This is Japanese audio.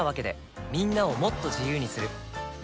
みんなをもっと自由にする「三菱冷蔵庫」